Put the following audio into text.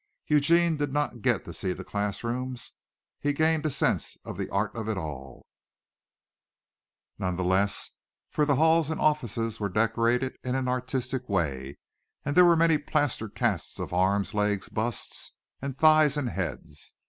Eugene did not get to see the class rooms, but he gained a sense of the art of it all, nevertheless, for the halls and offices were decorated in an artistic way, and there were many plaster casts of arms, legs, busts, and thighs and heads.